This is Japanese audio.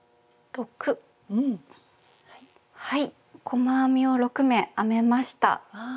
細編みを６目編めました。